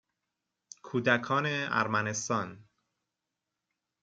کودکان ارمنستان